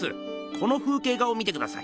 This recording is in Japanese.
この風景画を見てください。